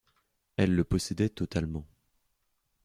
Elles le possédaient totalement.